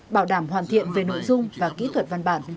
bảo đảm hoàn thiện về nội dung và kỹ thuật văn bản